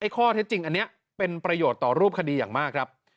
ข้อเท็จจริงอันนี้เป็นประโยชน์ต่อรูปคดีอย่างมากครับ